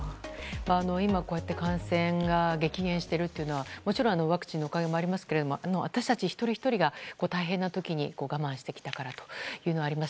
今、こうやって感染が激減しているというのはもちろんワクチンのおかげでもありますが私たち一人ひとりが大変な時に我慢してきたからということはあります。